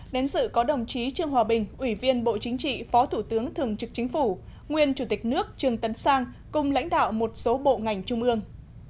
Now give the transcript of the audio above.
đến sự có đồng chí trương hòa bình ủy viên bộ chính trị phó thủ tướng thường trực chính phủ nguyên chủ tịch nước trương tấn sang cùng lãnh đạo một số bộ ngành trung ương